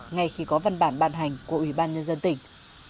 ngay khi có văn bản ban hành của ủy ban nhân dân tỉnh